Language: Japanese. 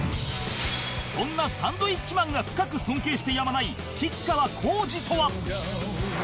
そんなサンドウィッチマンが深く尊敬してやまない吉川晃司とは？